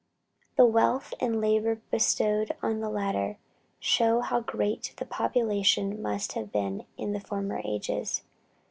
The wealth and labor bestowed on the latter show how great the population must have been in former ages.